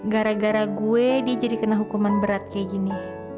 gara gara gue dia jadi kena hukuman berat kayak gini